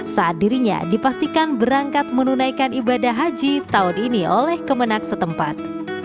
saat dirinya dipastikan berangkat menunaikan ibadah haji tahun ini oleh kemenang setempat